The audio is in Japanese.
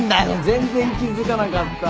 全然気付かなかった。